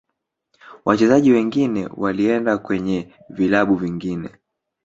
wachezaji wengine walienda kwenye vilabu vingine